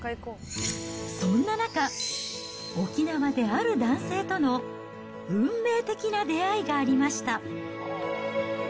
そんな中、沖縄である男性との運命的な出会いがありました。